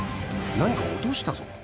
何か落としたぞ。